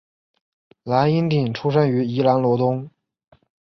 蓝荫鼎出生于宜兰罗东